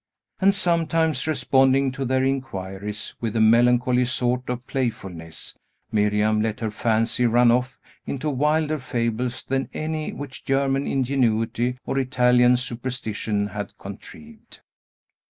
And, sometimes responding to their inquiries with a melancholy sort of playfulness, Miriam let her fancy run off into wilder fables than any which German ingenuity or Italian superstition had contrived.